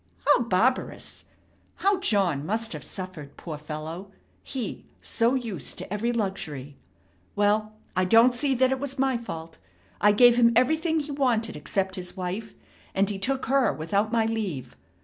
How barbarous! How John must have suffered, poor fellow! He, so used to every luxury! Well, I don't see that it was my fault. I gave him everything he wanted except his wife, and he took her without my leave.